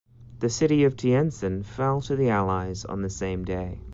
The city of Tientsin fell to the Allies on the same day.